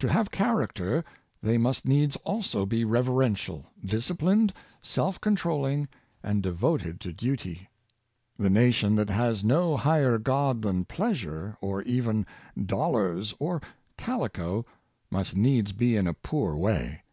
To have character they must needs also be reverential, disciplined, self controlling, and devoted to duty. The nation that has no higher god than pleasure, or even dollars or calico, must needs be in a poor way.